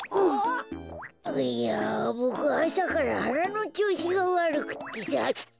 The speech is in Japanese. いやボクあさからはなのちょうしがわるくってさ。